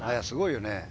すごいよね。